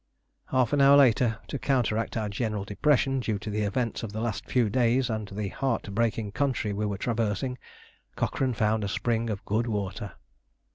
Half an hour later, to counteract our general depression due to the events of the last few days and to the heart breaking country we were traversing, Cochrane found a spring of good water.